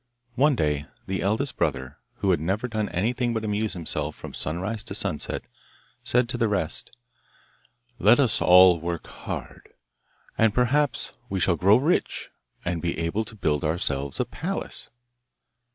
One day the eldest brother, who had never done anything but amuse himself from sunrise to sunset, said to the rest, 'Let us all work hard, and perhaps we shall grow rich, and be able to build ourselves a palace.